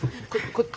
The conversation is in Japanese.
こっち？